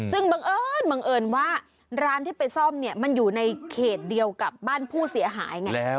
ซึ่งบังเอิญว่าร้านที่ไปซ่อมมันอยู่ในเขตเดียวกับบ้านผู้เสียหาย